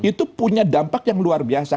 itu punya dampak yang luar biasa